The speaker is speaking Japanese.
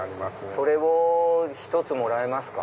それを１つもらえますか？